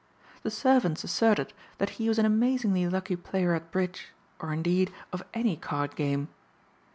The servants asserted that he was an amazingly lucky player at bridge or indeed of any card game.